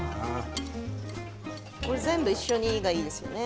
これ全部一緒に、がいいですよね。